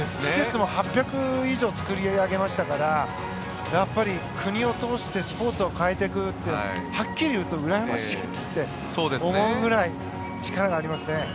施設も８００以上作り上げましたからやっぱり国を通してスポーツを変えていくってはっきり言うとうらやましいって思うぐらい力がありますね。